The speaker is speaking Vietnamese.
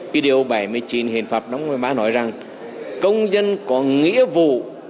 cái điều bảy mươi chín hiện pháp năm hai nghìn một mươi ba nói rằng công dân có nghĩa vụ